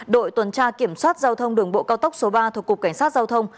đội tuần tra kiểm soát giao thông đường bộ cao tốc số ba thuộc cục cảnh sát giao thông